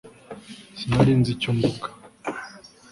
sinari nzi icyo mvuga